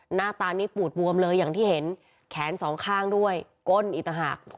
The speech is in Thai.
หน้าตานี้ปูดบวมเลยอย่างที่เห็นแขนสองข้างด้วยก้นอีกต่างหาก